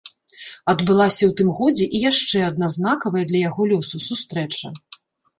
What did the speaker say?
Адбылася ў тым годзе і яшчэ адна знакавая для яго лёсу сустрэча.